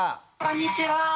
こんにちは。